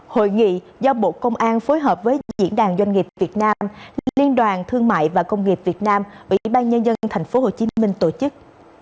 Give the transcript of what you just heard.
hội nghị do bộ công an phối hợp với diễn đàn doanh nghiệp việt nam liên đoàn thương mại và công nghiệp việt nam ủy ban nhân dân thành phố hồ chí minh tổ chức